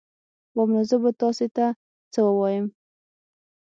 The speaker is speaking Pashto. وام نو زه به تاسي ته څه ووایم